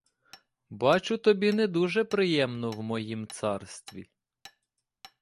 Бачу, тобі не дуже приємно в моїм царстві?